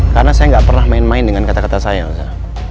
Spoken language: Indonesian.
karena saya gak pernah main main dengan kata kata saya elsa